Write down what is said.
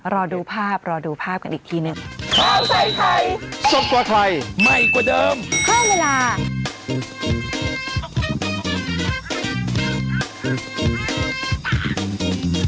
รอดูภาพรอดูภาพกันอีกทีหนึ่ง